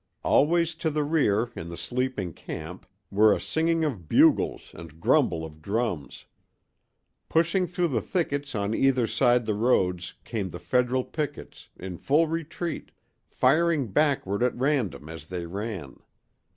Away to the rear, in the sleeping camp, were a singing of bugles and grumble of drums. Pushing through the thickets on either side the roads came the Federal pickets, in full retreat, firing backward at random as they ran.